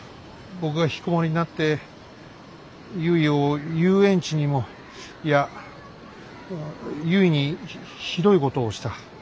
僕がひきこもりになってゆいを遊園地にもいやゆいにひどいことをした。